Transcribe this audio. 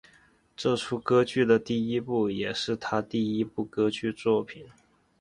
这出歌剧的第一部也是他第一部歌剧作品。